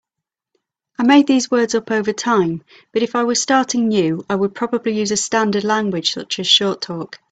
I made these words up over time, but if I were starting new I would probably use a standard language such as Short Talk.